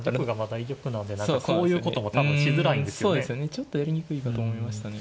ちょっとやりにくいかなと思いましたね。